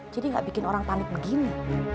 jadi gak bikin orang panik begini